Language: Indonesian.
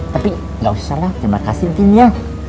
tapi enggak usah lah terima kasih entin ya